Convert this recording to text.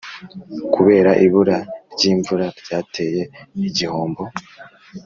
kubera ibura ry’imvura ryateye igihombo